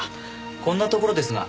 こんなところですが。